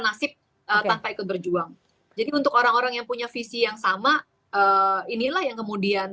nasib tanpa ikut berjuang jadi untuk orang orang yang punya visi yang sama inilah yang kemudian